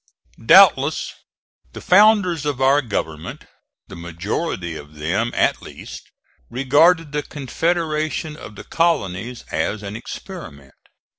Doubtless the founders of our government, the majority of them at least, regarded the confederation of the colonies as an experiment.